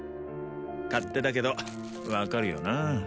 勝手だけど分かるよな